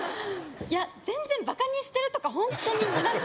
いや全然バカにしてるとかホントになくて。